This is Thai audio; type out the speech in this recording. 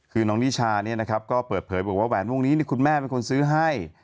คือน้องนิชาก็เปิดเผยบอกว่าแหวนพวกนี้คุณแม่เป็นคนซื้อให้